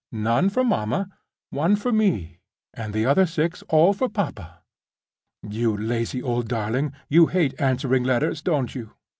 None for mamma. One for me. And the other six all for papa. You lazy old darling, you hate answering letters, don't you?"